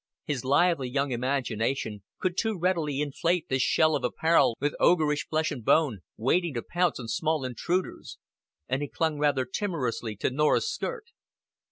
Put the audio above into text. His lively young imagination could too readily inflate this shell of apparel with ogreish flesh and bone waiting to pounce on small intruders, and he clung rather timorously to Norah's skirt.